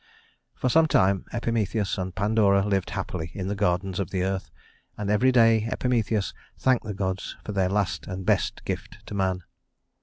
For some time Epimetheus and Pandora lived happily in the gardens of the earth, and every day Epimetheus thanked the gods for their last and best gift to man.